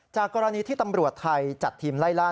กรณีที่ตำรวจไทยจัดทีมไล่ล่า